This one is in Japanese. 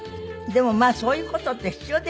でもまあそういう事って必要ですよね。